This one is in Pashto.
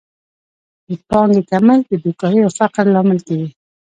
د پانګې کمښت د بېکارۍ او فقر لامل کیږي.